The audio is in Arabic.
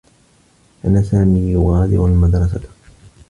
كان سامي يغادر المدرسة.